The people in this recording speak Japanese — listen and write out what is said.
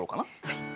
はい。